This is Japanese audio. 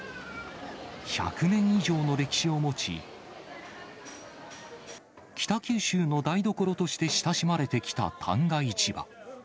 １００年以上の歴史を持ち、北九州の台所として親しまれてきた旦過市場。